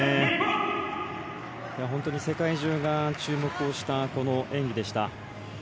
本当に世界中が注目をしたこの演技でした。